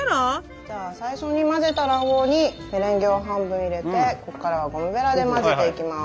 じゃあ最初に混ぜた卵黄にメレンゲを半分入れてここからはゴムベラで混ぜていきます。